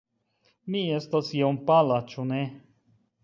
Mi estas iom pala, ĉu ne?